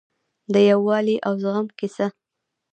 د یووالي او زغم کیسه ده.